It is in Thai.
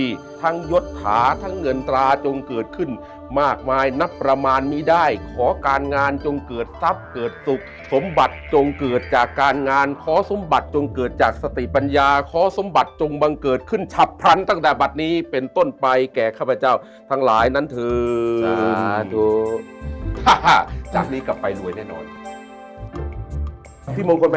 ขอจงเปิดให้สมบัติของแผ่นดินประเทศไทยจงเป็นสมบัติของแผ่นดินประเทศไทยจงเป็นสมบัติของแผ่นดินประเทศไทยจงเป็นสมบัติของแผ่นดินประเทศไทยจงเป็นสมบัติของแผ่นดินประเทศไทยจงเป็นสมบัติของแผ่นดินประเทศไทยจงเป็นสมบัติของแผ่นดินประเทศไทยจงเป็นสมบัติของแ